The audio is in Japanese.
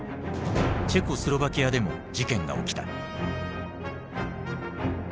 チェコスロバキアでも事件が起きた。